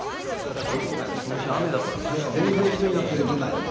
商店街もこの日雨だから最初全然人いなくて。